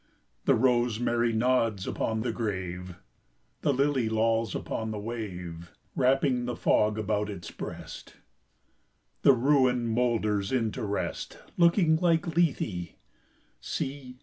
The rosemary nods upon the grave; The lily lolls upon the wave; Wrapping the fog about its breast, The ruin moulders into rest; Looking like Lethe, see!